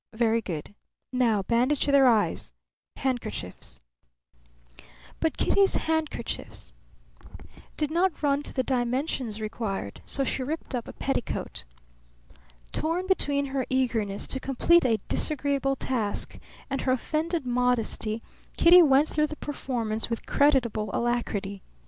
Very good. Now bandage their eyes. Handkerchiefs." But Kitty's handkerchiefs did not run to the dimensions' required; so she ripped up a petticoat. Torn between her eagerness to complete a disagreeable task and her offended modesty, Kitty went through the performance with creditable alacrity.